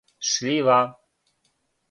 шљива